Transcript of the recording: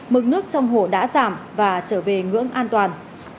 mực nước trong hồ đã giảm và trở về ngưỡng an toàn